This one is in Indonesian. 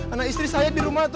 anak istri saya di rumah